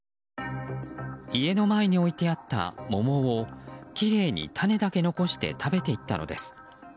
家の前に置いてあった桃をきれいに種だけ残して食べていったのです。